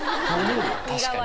確かに。